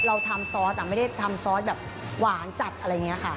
เราทำซอสไม่ได้ทำซอสแบบหวานจัดอะไรอย่างนี้ค่ะ